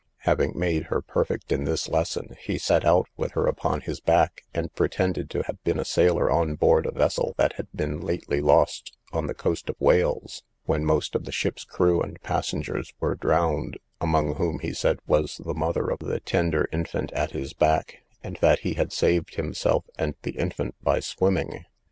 Having made her perfect in this lesson, he set out with her upon his back, and pretended to have been a sailor on board a vessel that had been lately lost on the coast of Wales, when most of the ship's crew and passengers were drowned, among whom, he said, was the mother of the tender infant at his back, and that he had saved himself and the infant by swimming.